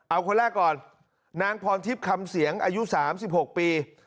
เอาคนแรกก่อนนางพรทิพย์คำเสียงอายุ๓๖ปี